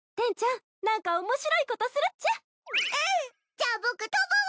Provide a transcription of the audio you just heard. じゃあ僕飛ぶわ。